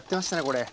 これ。